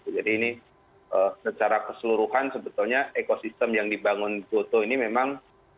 jadi ini secara keseluruhan sebetulnya ekosistem yang dibangun gotuk ini memang